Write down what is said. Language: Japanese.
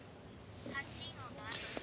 「発信音のあとに」